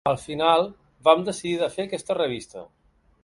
Al final vam decidir de fer aquesta revista.